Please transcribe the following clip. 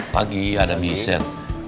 pagi ada misal